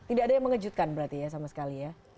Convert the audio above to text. tidak ada yang mengejutkan berarti ya sama sekali ya